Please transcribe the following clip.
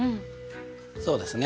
そうですね。